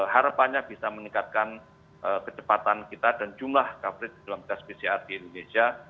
harapannya bisa meningkatkan kecepatan kita dan jumlah coverage dalam tes pcr di indonesia